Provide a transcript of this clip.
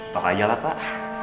tok aja lah pak